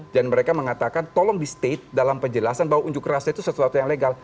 dan mereka mengatakan tolong di state dalam penjelasan bahwa ujuk rasa itu sesuatu yang legal